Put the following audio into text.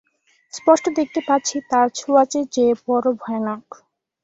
স্পষ্ট দেখতে পাচ্ছি তার ছোঁয়াচ যে বড়ো ভয়ানক।